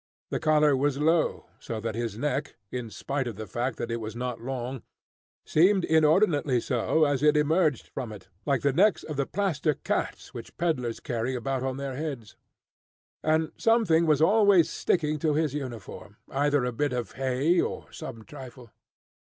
The collar was low, so that his neck, in spite of the fact that it was not long, seemed inordinately so as it emerged from it, like the necks of the plaster cats which pedlars carry about on their heads. And something was always sticking to his uniform, either a bit of hay or some trifle.